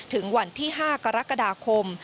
ถึงวันที่๕กรกฎาคม